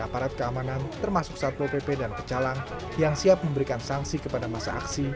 aparat keamanan termasuk satpol pp dan pecalang yang siap memberikan sanksi kepada masa aksi